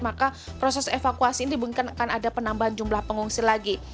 maka proses evakuasi ini dimungkinkan akan ada penambahan jumlah pengungsi lagi